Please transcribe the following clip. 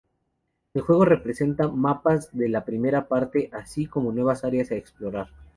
El juego presenta mapas de la primera parte, así como nuevas áreas a explorar.